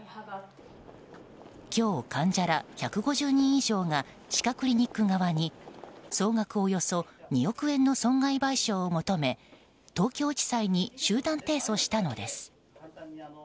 今日、患者ら１５０人以上が歯科クリニック側に総額およそ２億円の損害賠償を求め東京地裁に集団提訴したのです。